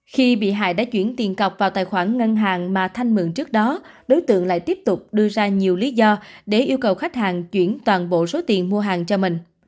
khi bị hại đã chuyển tiền cọc vào tài khoản ngân hàng mà thanh mượn trước đó đối tượng lại tiếp tục đưa ra nhiều lý do để yêu cầu khách hàng chuyển toàn bộ số tiền mua hàng cho mình